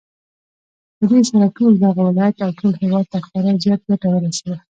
پدې سره ټول دغه ولايت او ټول هېواد ته خورا زياته گټه ورسېده